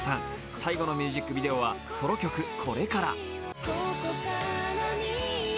最後のミュージックビデオはソロ曲「これから」。